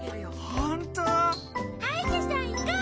ほんとう！？はいしゃさんいこう！